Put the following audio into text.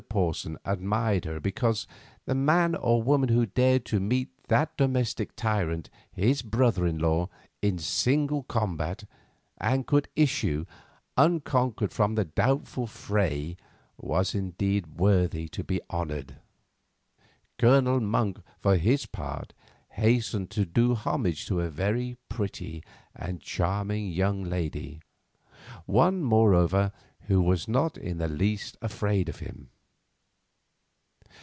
Porson admired her because the man or woman who dared to meet that domestic tyrant his brother in law in single combat, and could issue unconquered from the doubtful fray, was indeed worthy to be honoured. Colonel Monk for his part hastened to do homage to a very pretty and charming young lady, one, moreover, who was not in the least afraid of him.